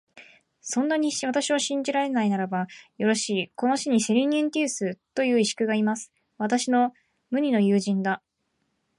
そんなに私を信じられないならば、よろしい、この市にセリヌンティウスという石工がいます。私の無二の友人だ。